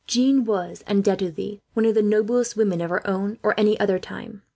She was, undoubtedly, one of the noblest women of her own or any other time.